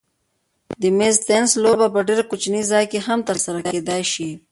د مېز تېنس لوبه په ډېر کوچني ځای کې هم ترسره کېدای شي.